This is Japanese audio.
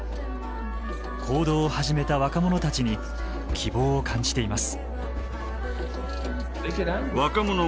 行動を始めた若者たちに希望を感じています。